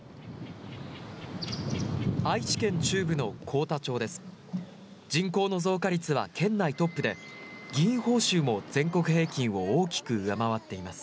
愛知県中部の幸田町です。